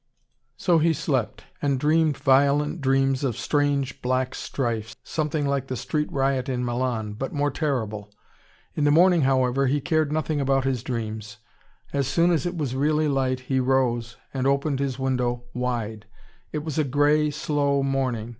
So he slept, and dreamed violent dreams of strange, black strife, something like the street riot in Milan, but more terrible. In the morning, however, he cared nothing about his dreams. As soon as it was really light, he rose, and opened his window wide. It was a grey, slow morning.